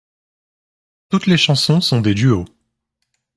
Toutes les chansons sont des duos.